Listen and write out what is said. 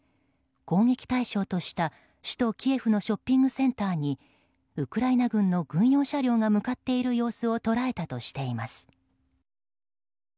攻撃対象とした首都キエフのショッピングセンターにウクライナ軍の軍用車両が向かっている様子を捉えたとしています。